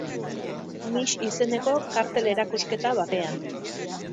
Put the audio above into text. Mix izeneko kartel erakusketa batean.